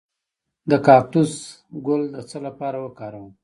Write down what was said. د کاکتوس ګل د څه لپاره وکاروم؟